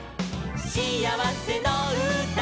しあわせのうた」